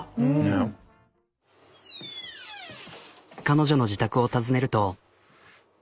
彼女の自宅を訪ねると。